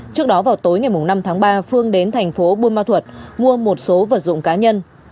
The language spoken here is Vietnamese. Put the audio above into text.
trước đó vào tối ngày năm tháng ba phương đến thành phố buôn ma thuật mua một số vật dụng cá nhân